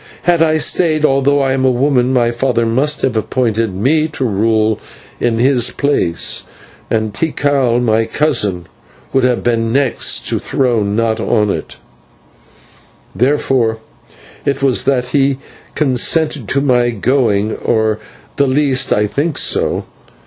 Had I stayed, although I am a woman, my father must have appointed me to rule in his place, and Tikal, my cousin, would have been next the throne, not on it; therefore it was that he consented to my going, or at the least I think so.